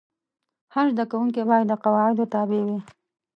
هر زده کوونکی باید د قواعدو تابع وای.